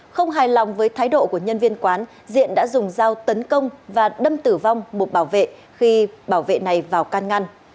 không hài lòng với thái độ của nhân viên quán diện đã dùng dao tấn công và đâm tử vong một bảo vệ khi bảo vệ này vào can ngăn